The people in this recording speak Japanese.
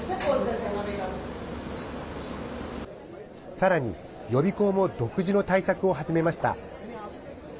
さらに予備校も独自の対策を始めました。